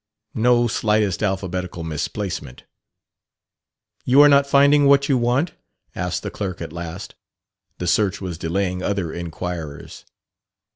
No slightest alphabetical misplacement. "You are not finding what you want?" asked the clerk at last. The search was delaying other inquirers.